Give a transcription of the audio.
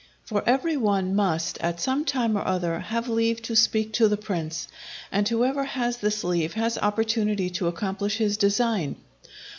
For every one must, at some time or other, have leave to speak to the prince, and whoever has this leave has opportunity to accomplish his design.